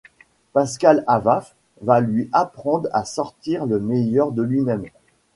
Pascal Avaf va lui apprendre à sortir le meilleur de lui-même.